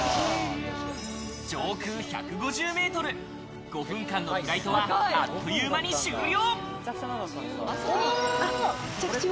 上空１５０メートル、５分間のフライトはあっという間に終了。